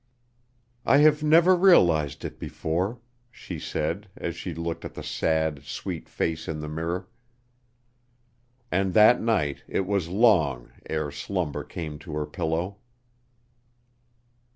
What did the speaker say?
"I have never realized it before," she said, as she looked at the sad, sweet face in the mirror. And that night it was long ere slumber came to her pillow.